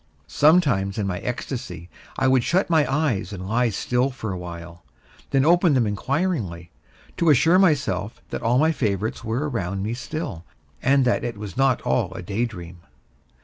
Sometimes in my ecstasy, I would shut my eyes and lie still for a while, then open them inquiringly, to assure myself that all my favorites were around me still, and that it was not all a day dream.